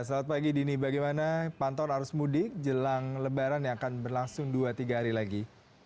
selamat pagi dini bagaimana pantor arus mudik jelang lebaran yang akan berlangsung dua tiga hari lagi